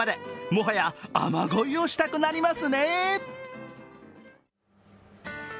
もはや雨乞いをしたくなりますね。